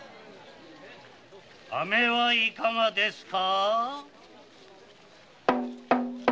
飴はいかがですか。